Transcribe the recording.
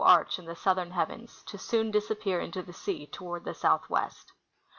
arch in the southern heavens, to soon disappear into the sea toward the southwest.